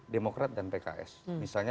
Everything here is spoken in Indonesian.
demokrat dan pks misalnya